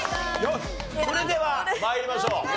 それでは参りましょう。